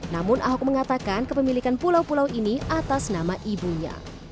namun ahok mengatakan kepemilikan pulau pulau ini atas nama ibunya